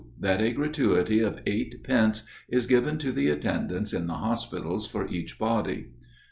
That a gratuity of eight pence is given to the attendants in the hospitals for each body.